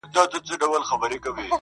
• زړه تا دا كيسه شــــــــــروع كــړه.